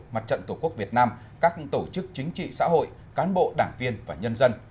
mặt trận tổ quốc việt nam các tổ chức chính trị xã hội cán bộ đảng viên và nhân dân